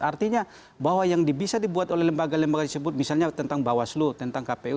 artinya bahwa yang bisa dibuat oleh lembaga lembaga disebut misalnya tentang bawaslu tentang kpu